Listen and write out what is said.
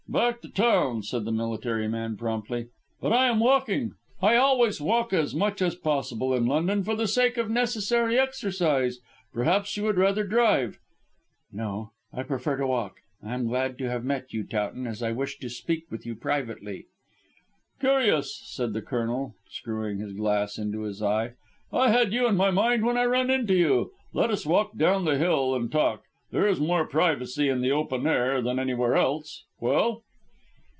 "Back to town," said the military man promptly, "but I am walking. I always walk as much as possible in London for the sake of necessary exercise. Perhaps you would rather drive?" "No. I prefer to walk. I am glad to have met you, Towton, as I wished to speak with you privately." "Curious," said the Colonel, screwing his glass into his eye. "I had you in my mind when I ran into you. Let us walk down the hill and talk: there is more privacy in the open air than anywhere else. Well?"